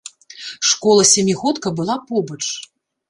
Школа, сямігодка, была побач.